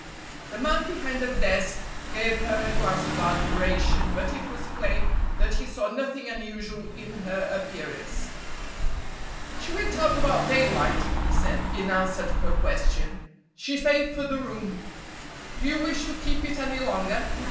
The man behind the desk gave her a glance of admiration, but it was plain that he saw nothing unusual in her appearance. "She went out about daylight," he said, in answer to her question. "She paid for the room. Do you wish to keep it any longer?"